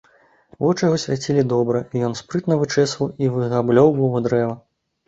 Вочы яго свяцілі добра, і ён спрытна вычэсваў і выгаблёўваў дрэва.